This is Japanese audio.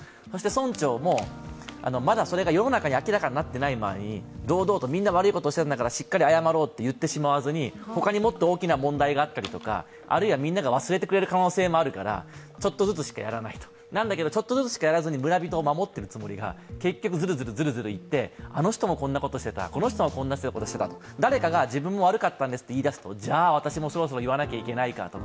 村長もまだそれが明らかになっていない前に堂々とみんな悪いことしたんだからしっかり謝ろうと言わずに他にもっと大きな問題があったり、あるいはみんなが忘れてくれる可能性もあるから、ちょっとずつしかやらないと、なんだけど、でもそれで村人を守っているつもりが、結局ずるずるいってあの人もこんなことしてた、この人もこんなことしてた、誰かが自分も悪かったんですと言い出すと、じゃあ、私もそろそろ言わないといけないかと。